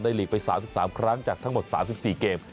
หลีกไป๓๓ครั้งจากทั้งหมด๓๔เกม